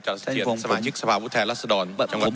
จากเฉียนสมาชิกสภาพวุทย์แทนรัศดรจังหวัดมรรชาธิภาพ